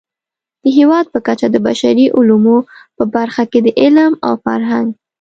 د هېواد په کچه د بشري علومو په برخه کې د علم او فرهنګ